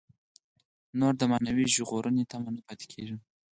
نور د معنوي ژغورنې تمه نه پاتې کېږي.